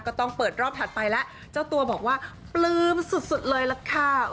ก็ต้องเปิดรอบถัดไปแล้วเจ้าตัวบอกว่าปลื้มสุดเลยล่ะค่ะ